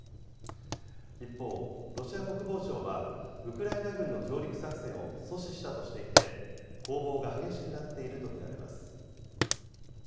一方、ロシア国防省は、ウクライナ軍の上陸作戦を阻止したとしていて、攻防が激しくなっていると見られます。